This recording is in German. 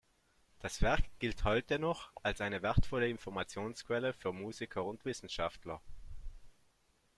Das Werk gilt heute noch als eine wertvolle Informationsquelle für Musiker und Wissenschaftler.